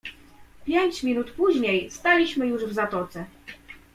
"W pięć minut później staliśmy już w zatoce."